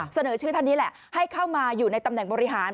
เสนอชื่อท่านนี้แหละให้เข้ามาอยู่ในตำแหน่งบริหาร